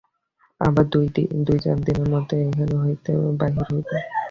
আবার দুই-চার দিনের মধ্যে এখান হইতে বাহির হইব।